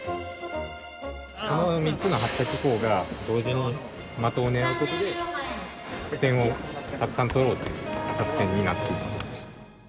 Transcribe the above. この３つの発射機構が同時に的を狙うことで点をたくさん取ろうっていう作戦になっています。